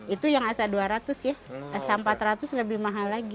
itu yang asa dua ratus ya asa empat ratus lebih mahal lagi